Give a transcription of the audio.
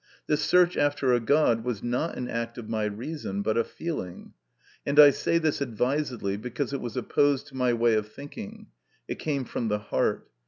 This search after a God was not an act of my reason, but a feeling, and I say this advisedly, because it was opposed to my way of thinking ; it came from the heart.